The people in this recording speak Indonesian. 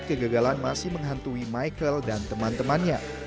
kegagalan masih menghantui michael dan teman temannya